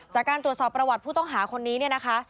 จากการตรวจสอบประวัติผู้ต้องหาคนนี้เนี่ยนะคะ